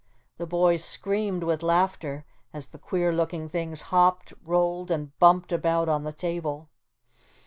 The boys screamed with laughter as the queer looking things hopped, rolled and bumped about on the table.